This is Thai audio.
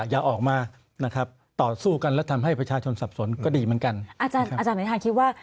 อย่าออกมานะครับต่อสู้กันและทำให้ประชาชนสับสนก็ดีเหมือนกัน